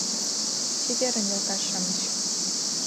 — Чеверын, йолташ-шамыч!..